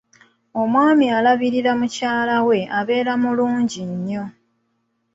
Omwami alabirira omukyala abeera mulungi nnyo.